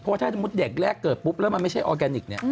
เพราะถ้าสมมุติเด็กแรกเกิดปุ๊บแล้วมันไม่ใช่ออร์แกนิคเนี่ย